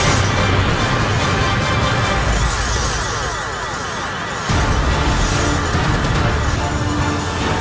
ini baru hasil rampukan yang luar biasa